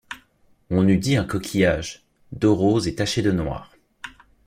On eût dit un coquillage ; Dos rose et taché de noir.